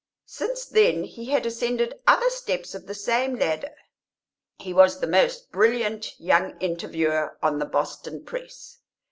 Since then he had ascended other steps of the same ladder; he was the most brilliant young interviewer on the Boston press.